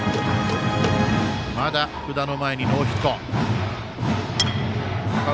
まだ、福田の前にノーヒット。